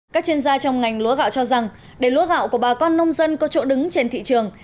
các chuyên gia trong ngành lúa gạo cho rằng để lúa gạo của bà con nông dân có chỗ đứng trên thị trường